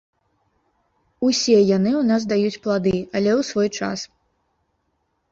Усе яны ў нас даюць плады, але ў свой час.